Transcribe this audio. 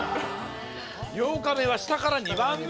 ８日目は下から２番目！